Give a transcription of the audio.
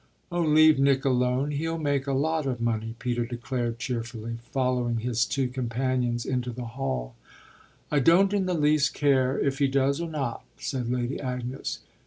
"Oh leave Nick alone he'll make a lot of money," Peter declared cheerfully, following his two companions into the hall. "I don't in the least care if he does or not," said Lady Agnes.